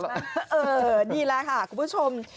นี่แหละค่ะคุณผู้ชม